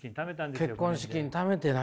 結婚資金ためてな。